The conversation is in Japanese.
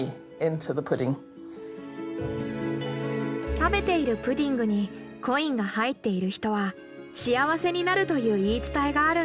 食べているプディングにコインが入っている人は幸せになるという言い伝えがあるんだ。